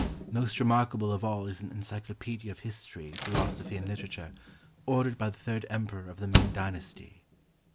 Most remarkable of all is an encyclopaedia of history, philosophy, and literature ordered by the third Emperor of the Ming Dynasty.